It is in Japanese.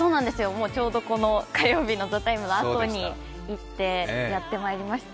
もうちょうど火曜日の「ＴＨＥＴＩＭＥ，」のあとに行ってやってまいりました。